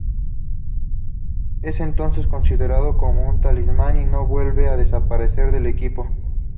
Es entonces considerado como un talismán y no vuelve a desaparecer del equipo.